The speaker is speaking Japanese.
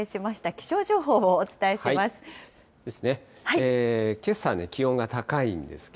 気象情報をお伝えします。ですね。